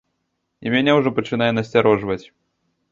І мяне ўжо пачынае насцярожваць.